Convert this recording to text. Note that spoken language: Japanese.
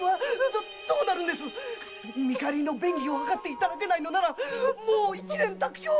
⁉見返りの便宜をはかっていただけないのならもう一蓮托生。